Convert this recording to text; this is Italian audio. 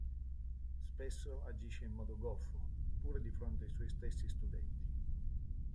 Spesso agisce in modo goffo, pure di fronte ai suoi stessi studenti.